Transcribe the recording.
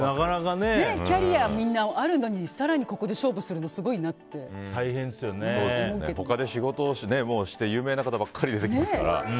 キャリア、みんなあるのに更にここで勝負するのが他で仕事をしている有名な方ばかり出てきますから。